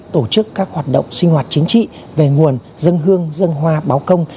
tổ chức các hoạt động sinh hoạt chính trị về nguồn dân hương dân hoa báo công